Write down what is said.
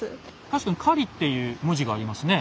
確かに「狩」っていう文字がありますね。